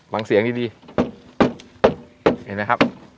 ฟังเสียงดีเห็นไหมครับ